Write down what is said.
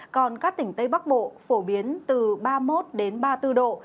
còn các tỉnh tây bắc bộ phổ biến từ ba mươi một đến ba mươi bốn độ